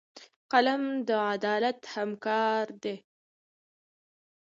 قلم د عدالت همکار دی